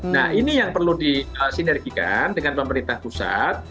nah ini yang perlu disinergikan dengan pemerintah pusat